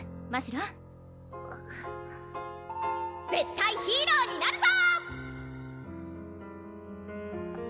ろん絶対ヒーローになるぞ！